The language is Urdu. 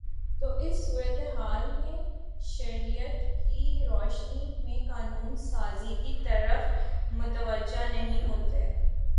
تو وہ اس صورتِ حال میں شریعت کی روشنی میں قانون سازی کی طرف متوجہ نہیں ہوتے